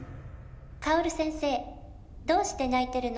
「薫先生どうして泣いてるの？」